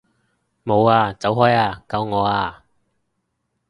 冇啊！走開啊！救我啊！